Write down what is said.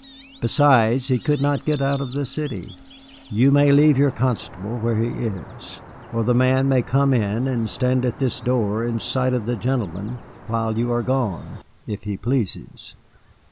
Besides, he could not get out of the city. You may leave your constable where he is, or the man may come in and stand at this door in sight of the gentleman while you are gone if he pleases."